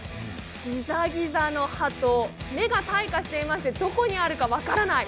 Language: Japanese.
ギザギザの歯と目が退化していましてどこにあるか分からない。